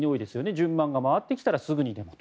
順番が回ってきたらすぐにでもと。